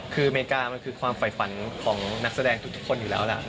คืออเมริกามันคือความฝ่ายฝันของนักแสดงทุกคนอยู่แล้วแหละ